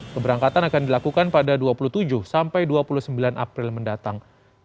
keberangkatan akan dilakukan pada dua puluh tujuh sampai dua puluh sembilan april mendatang